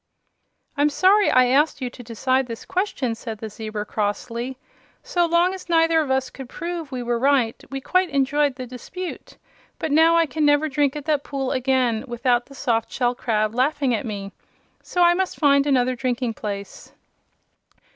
"I'm sorry I asked you to decide this question," said the zebra, crossly. "So long as neither of us could prove we were right we quite enjoyed the dispute; but now I can never drink at that pool again without the soft shell crab laughing at me. So I must find another drinking place."